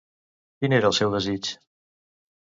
Quin era el seu desig?